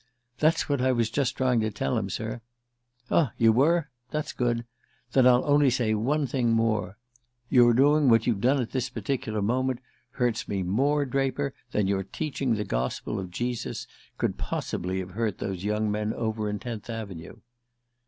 "That's what I was just trying to tell him, sir " "Ah; you were? That's good. Then I'll only say one thing more. Your doing what you've done at this particular moment hurts me more, Draper, than your teaching the gospel of Jesus could possibly have hurt those young men over in Tenth Avenue."